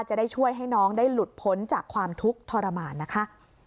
จะได้ช่วยให้น้องได้หลุดพ้นจากความทุกข์ทรมานนะคะ